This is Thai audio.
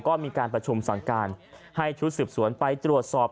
ก็มีการประชุมสั่งการให้ชุดสืบสวนไปตรวจสอบ